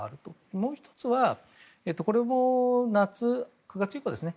もう１つはこれも夏、９月以降ですね。